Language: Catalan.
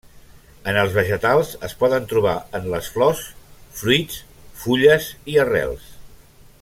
En els vegetals es poden trobar en les flors, fruits, fulles i arrels.